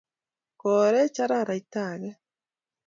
Korech araraita age